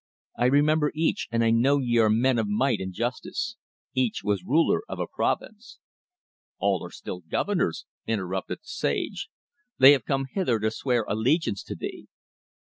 I remember each, and I know ye are men of might and justice. Each was ruler of a province " "All are still governors," interrupted the sage. "They have come hither to swear allegiance to thee."